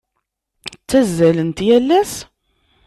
Ttazzalent yal ass?